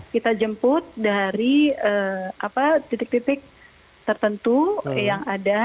kita jemput dari titik titik tertentu yang ada